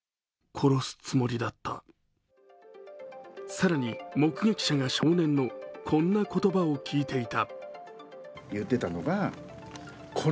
更に目撃者が少年のこんな言葉を聞いていた。